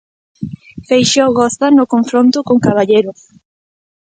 Feixóo goza no confronto con Caballero.